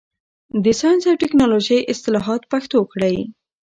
د ساینس او ټکنالوژۍ اصطلاحات پښتو کړئ.